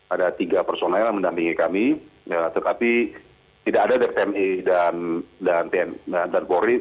ada tiga personel yang mendampingi kami tetapi tidak ada dari tni dan polri